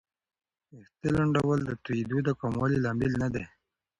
ویښتې لنډول د توېیدو د کمولو لامل نه دی.